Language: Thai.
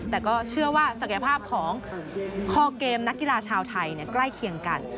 แต่ก็เชื่อว่าศักยภาพของคอเกมนักกีฬาชาวไทยใกล้เคียงกัน